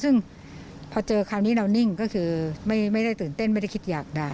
ซึ่งพอเจอคราวนี้เรานิ่งก็คือไม่ได้ตื่นเต้นไม่ได้คิดอยากได้